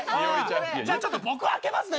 じゃあちょっと僕開けますね。